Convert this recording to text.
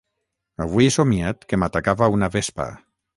Avui he somiat que m'atacava una vespa.